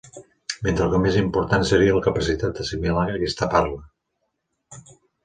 Mentre que el més important seria la capacitat d'assimilar aquesta parla.